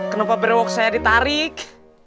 sebelum berwoksanya ditarik